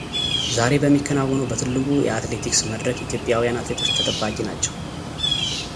ዛሬ በሚከናወነው በትልቁ የአትሌቲክስ መድረክ ኢትዮጵያውያን አትሌቶች ተጠባቂ ናቸው